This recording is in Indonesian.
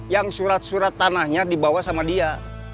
yang surat surat tanahnya dibawa sama dia